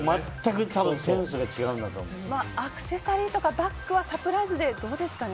アクセサリーとかバッグはサプライズで、どうですかね？